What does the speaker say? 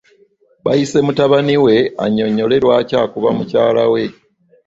Bayise mutabani we annyonnyole lwaki akuba mukyala we.